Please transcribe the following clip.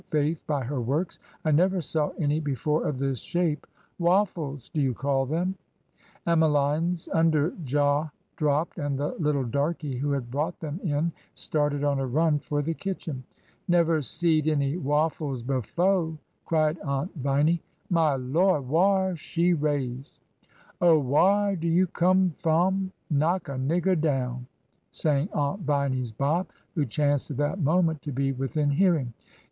11 faith by her works. I never saw any before of this shape. Woffles, do you call them ? Emmeline's under jaw dropped, and the little darky who had brought them in started on a run for the kitchen. ''Never seed any wafHes befo'!'' cried Aunt Viny. My Lawd ! whar she raised ?" ''Oh, whar'd you come f'om? Knock a nigger down—" s sang Aunt Viny's Bob, who chanced at that moment to be within hearing.